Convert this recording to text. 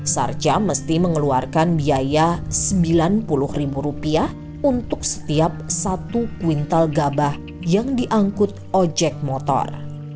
sarja mesti mengeluarkan biaya rp sembilan puluh untuk setiap satu kuintal gabah yang diangkut ojek motor